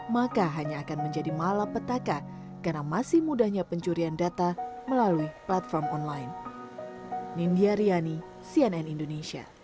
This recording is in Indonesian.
maka hanya akan menjadi malapetaka karena masih mudahnya pencurian data melalui platform online